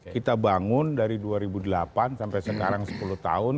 kita bangun dari dua ribu delapan sampai sekarang sepuluh tahun